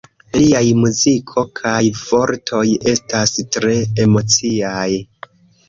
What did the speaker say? Liaj muziko kaj vortoj estas tre emociaj.